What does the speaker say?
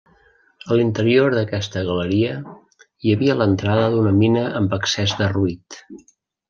A l'interior d’aquesta galeria hi havia l'entrada d’una mina amb l'accés derruït.